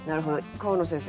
川野先生